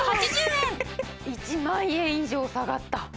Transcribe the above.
１万円以上下がった！